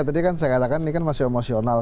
tadi kan saya katakan ini kan masih emosional